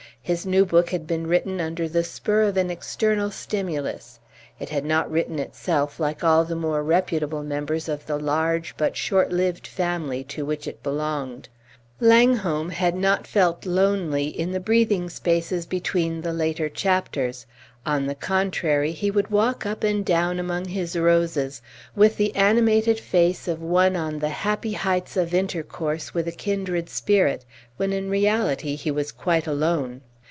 His new book had been written under the spur of an external stimulus; it had not written itself, like all the more reputable members of the large but short lived family to which it belonged. Langholm had not felt lonely in the breathing spaces between the later chapters. On the contrary, he would walk up and down among his roses with the animated face of one on the happy heights of intercourse with a kindred spirit, when in reality he was quite alone.